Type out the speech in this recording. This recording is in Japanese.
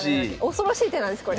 恐ろしい手なんですこれ。